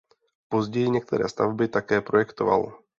Později některé stavby také projektoval.